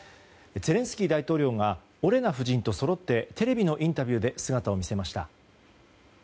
ゼレンスキー大統領がオレナ夫人とそろってテレビのインタビューで姿を見せました。